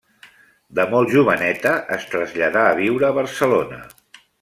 De molt joveneta es traslladà a viure a Barcelona.